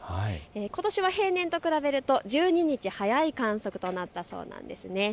ことしは平年と比べると１２日早い観測となったそうです。